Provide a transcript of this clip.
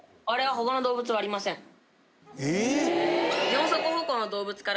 あれは他の動物はありません。